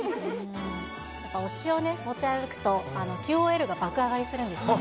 推しを持ち歩くと、ＱＯＬが爆上がりするんですよね。